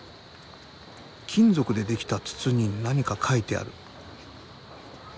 金属で出来た筒に何か書いてある。